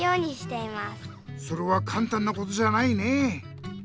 それはかんたんなことじゃないねぇ。